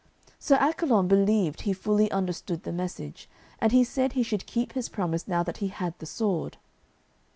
Sir Accolon believed he fully understood the message, and he said he should keep his promise now that he had the sword.